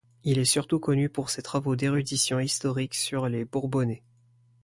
Il est surtout connu pour ses travaux d'érudition historique sur le Bourbonnais.